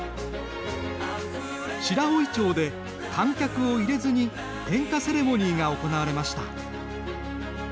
白老町で観客を入れずに点火セレモニーが行われました。